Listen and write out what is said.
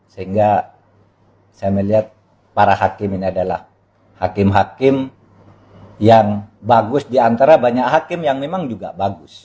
sehingga saya melihat para hakim ini adalah hakim hakim yang bagus diantara banyak hakim yang memang juga bagus